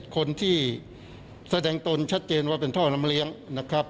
คนที่แสดงตนชัดเจนว่าเป็นท่อน้ำเลี้ยงนะครับ